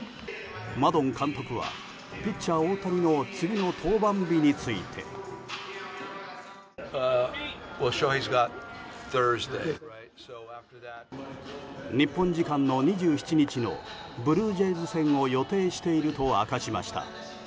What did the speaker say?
マドン監督はピッチャー大谷の次の登板日について。日本時間の２７日のブルージェイズ戦を予定していると明かしました。